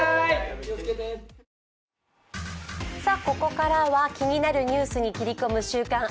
ここからは気になるニュースに切り込む「週刊！